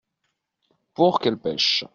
Pour qu’elle pêche.